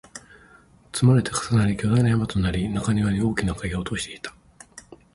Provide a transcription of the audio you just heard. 積まれて、重なり、巨大な山となり、中庭に大きな影を落としていた